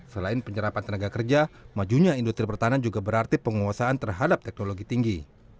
selain penyerapan tenaga kerja majunya industri pertahanan juga berarti penguasaan terhadap teknologi tinggi